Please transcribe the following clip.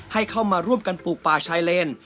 ให้เข้ามาร่วมกันปลูกป่าชายเลน